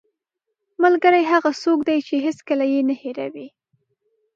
ملګری هغه څوک دی چې هېڅکله یې نه هېروې